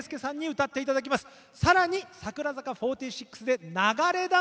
さらに、櫻坂４６で「流れ弾」。